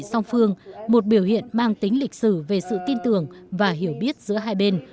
song phương một biểu hiện mang tính lịch sử về sự tin tưởng và hiểu biết giữa hai bên